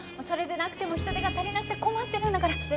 それでなくても人手が足りなくて困ってるんだから。